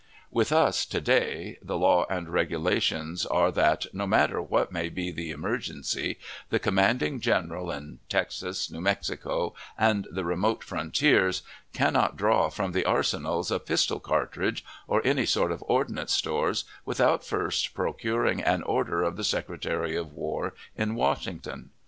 With us, to day, the law and regulations are that, no matter what may be the emergency, the commanding general in Texas, New Mexico, and the remote frontiers, cannot draw from the arsenals a pistol cartridge, or any sort of ordnance stores, without first procuring an order of the Secretary of War in Washington.